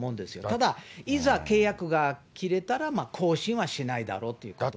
ただいざ契約が切れたら更新はしないだろうということです。